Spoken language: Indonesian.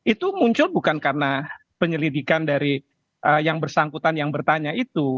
itu muncul bukan karena penyelidikan dari yang bersangkutan yang bertanya itu